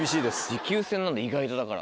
持久戦なんだ意外とだから。